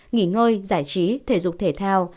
nghỉ ngơi giải trí thể dục thể thao